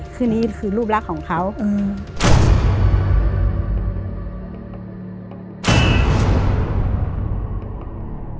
คือนี้คือรูปรักของเขาอืม